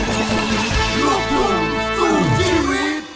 ขอบคุณทุกคน